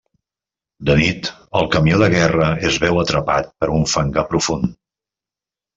De nit, el camió de guerra es veu atrapat en un fangar profund.